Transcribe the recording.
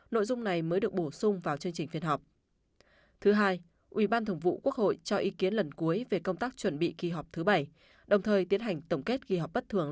nội dung này mới được bắt đầu